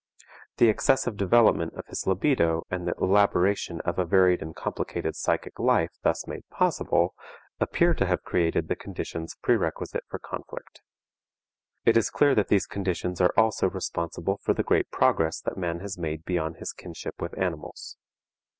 The excessive development of his libido and the elaboration of a varied and complicated psychic life thus made possible, appear to have created the conditions prerequisite for conflict. It is clear that these conditions are also responsible for the great progress that man has made beyond his kinship with animals.